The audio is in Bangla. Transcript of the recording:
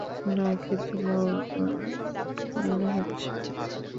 না, কিন্তু মরবে মনে হচ্ছে।